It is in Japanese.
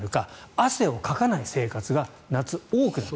汗をかかない生活が夏、多くなる。